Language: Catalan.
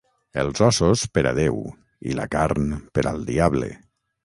Els ossos per a Déu i la carn per al diable.